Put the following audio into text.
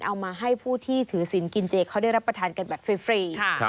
เอามาให้ผู้ที่ถือศิลปกินเจเขาได้รับประทานกันแบบฟรี